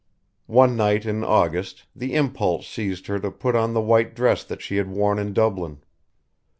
One night in August the impulse seized her to put on the white dress that she had worn in Dublin.